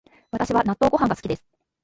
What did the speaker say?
私は納豆ご飯が好きです